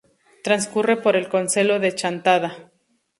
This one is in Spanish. Transcurre por el concello de Chantada.